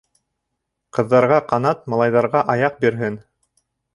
Ҡыҙҙарға ҡанат, малайҙарға аяҡ бирһен.